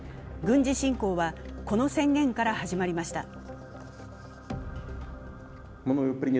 軍事侵攻はこの宣言から始まりました。